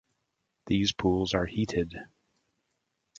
These pools are heated.